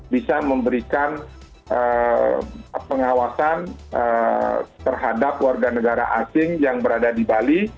bisa memberikan pengawasan terhadap warga negara asing yang berada di bali